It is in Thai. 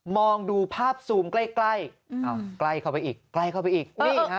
องดูภาพซูมใกล้ใกล้อ้าวใกล้เข้าไปอีกใกล้เข้าไปอีกนี่ฮะ